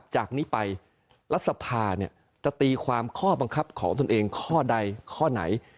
จากนี้ไปรัฐสภาจะตีความข้อบังคับของตนเองข้อใดข้อไหน